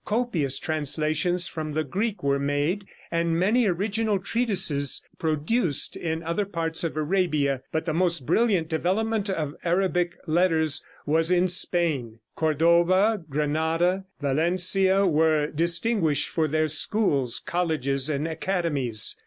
Copious translations from the Greek were made, and many original treatises produced in other parts of Arabia, but the most brilliant development of Arabic letters was in Spain. Cordova, Grenada, Valencia were distinguished for their schools, colleges and academies.